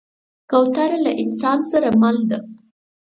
کوتره له انسان سره مل ده.